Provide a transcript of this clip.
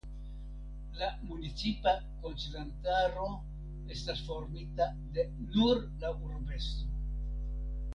La municipa konsilantaro estas formita de nur la urbestro.